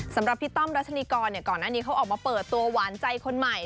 สำหรับพี่ต้อมรัชนีกรก่อนหน้านี้เขาออกมาเปิดตัวหวานใจคนใหม่